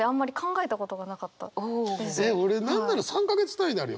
えっ俺何なら３か月単位であるよ。